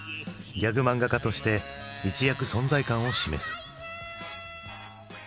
ギャグマンガ家として一躍存在感を示す。